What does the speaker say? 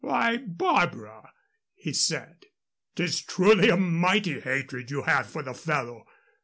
"Why, Barbara," he said, "'tis truly a mighty hatred you have for the fellow!